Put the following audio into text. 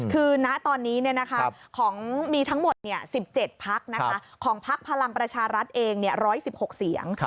คือณตอนนี้ของมีทั้งหมด๑๗พักของพักพลังประชารัฐเอง๑๑๖เสียง